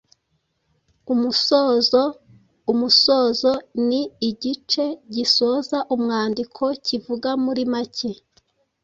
Umusozo: Umusozo ni igice gisoza umwandiko kivuga muri make